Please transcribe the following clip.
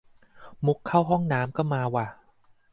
มุกเข้าห้องน้ำก็มาว่ะ